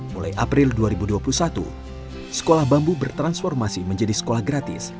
mulai april dua ribu dua puluh satu sekolah bambu bertransformasi menjadi sekolah gratis